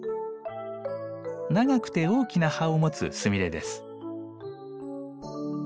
長くて大きな葉を持つスミレです。